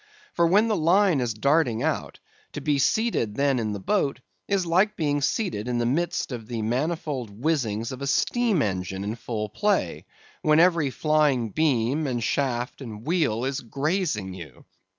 For, when the line is darting out, to be seated then in the boat, is like being seated in the midst of the manifold whizzings of a steam engine in full play, when every flying beam, and shaft, and wheel, is grazing you.